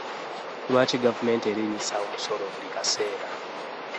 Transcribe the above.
Lwaki gavumenti erinyisa omusolo buli kaseera?